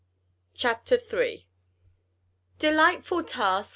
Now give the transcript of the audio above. '" Chapter Third. "Delightful task!